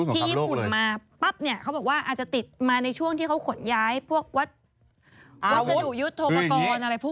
ที่ญี่ปุ่นมาปั๊บเนี่ยเขาบอกว่าอาจจะติดมาในช่วงที่เขาขนย้ายพวกวัสดุยุทธโทปกรณ์อะไรพวก